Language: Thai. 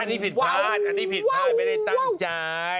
อันนี้ผิดพลาดอันนี้ผิดพลาดไม่ได้ตั้งใจ